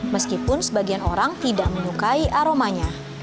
meskipun sebagian orang tidak menyukai aromanya